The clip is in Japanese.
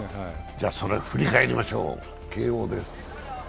それを振り返りましょう、慶応です。